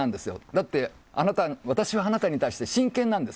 だって私はあなたに対して真剣だと。